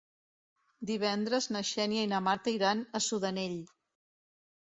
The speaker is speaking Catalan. Divendres na Xènia i na Marta iran a Sudanell.